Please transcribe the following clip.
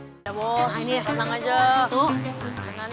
salamualaikum jam satu